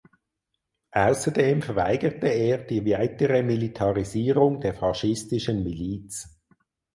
Außerdem verweigerte er die weitere Militarisierung der faschistischen Miliz.